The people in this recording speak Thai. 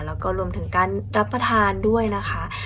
แล้วก็รวมถึงการรับประทานด้วยนะคะ